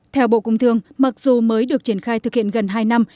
theo bộ công thương mặc dù mới được triển khai thực hiện gần hai năm